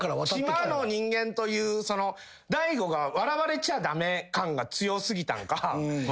島の人間という大悟が笑われちゃ駄目感が強過ぎたんか。